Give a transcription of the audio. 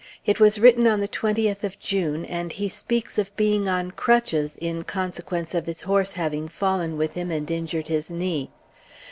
It was written on the 20th of June, and he speaks of being on crutches in consequence of his horse having fallen with him, and injured his knee.